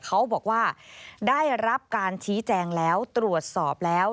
เขาบอกว่าได้รับการชี้แจงแล้วตรวจสอบแล้ว